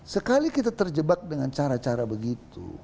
sekali kita terjebak dengan cara cara begitu